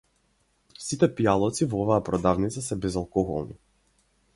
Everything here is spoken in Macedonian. Сите пијалоци во оваа продавница се безалкохолни.